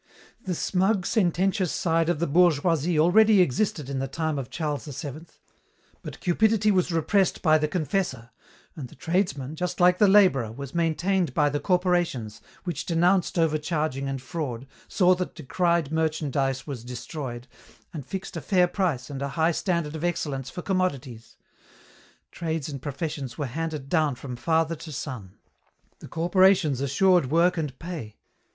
"The smug, sententious side of the bourgeoisie already existed in the time of Charles VII. But cupidity was repressed by the confessor, and the tradesman, just like the labourer, was maintained by the corporations, which denounced overcharging and fraud, saw that decried merchandise was destroyed, and fixed a fair price and a high standard of excellence for commodities. Trades and professions were handed down from father to son. The corporations assured work and pay.